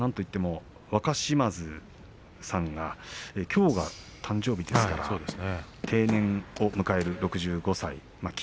今場所はなんといっても若嶋津さんがきょうが誕生日ですから定年を迎える６５歳。